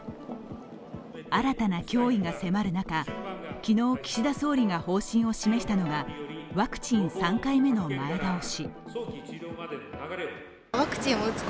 新たな脅威が迫る中、昨日、岸田総理が方針を示したのがワクチン３回目の前倒し。